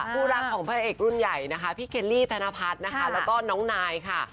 คู่รักของพระเอกรุ่นใหญ่นะคะพี่เคลลี่ธนพัฒน์นะคะแล้วก็น้องนายค่ะ